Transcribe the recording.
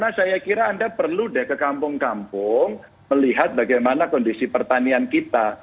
pak rifana saya kira anda perlu ke kampung kampung melihat bagaimana kondisi pertanian kita